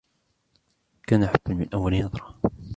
كان حبًّا من أوّل نظرة.